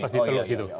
pasti terlalu di situ